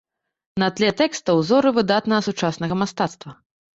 На тле тэкстаў узоры выдатнага сучаснага мастацтва.